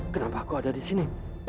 kenapa kau ada di sini